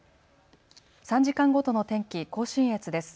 ３時間ごとの天気、甲信越です。